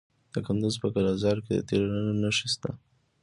د کندز په قلعه ذال کې د تیلو نښې شته.